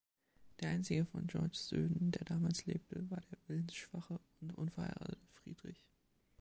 Der einzige von Georges Söhnen, der damals lebte, war der willensschwache und unverheiratete Friedrich.